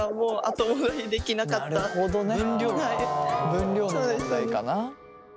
分量の問題かな。